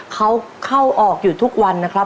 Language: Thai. เขาเข้าออกอยู่ทุกวันนะครับ